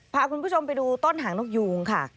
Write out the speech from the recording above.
พาคุณผู้ชมไปดูต้นหางนกยูงค่ะ